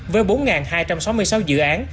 với bốn hai trăm sáu mươi sáu dự án